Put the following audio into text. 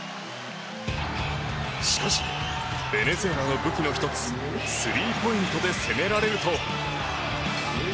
しかしベネズエラの武器の１つスリーポイントで攻められると。